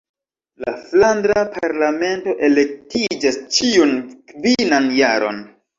La Flandra Parlamento elektiĝas ĉiun kvinan jaron.